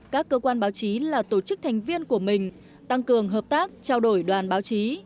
các cơ quan báo chí là tổ chức thành viên của mình tăng cường hợp tác trao đổi đoàn báo chí